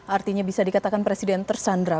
artinya bisa dikatakan presiden tersandra